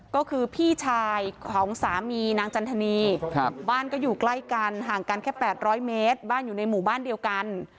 ก็คือพี่ชายของสามีนางจันทนีบ้านก็อยู่ใกล้กันห่างกันแค่๘๐๐เมตรบ้านอยู่ในหมู่บ้านเดียวกัน